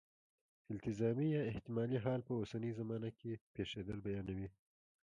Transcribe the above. التزامي یا احتمالي حال په اوسنۍ زمانه کې پېښېدل بیانوي.